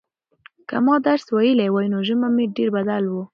که ما درس ویلی وای نو ژوند به مې ډېر بدل و.